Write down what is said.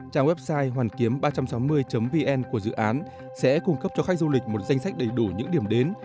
trang website hoànkiếm ba trăm sáu mươi vn của dự án sẽ cung cấp cho khách du lịch một danh sách đầy đủ những điểm đến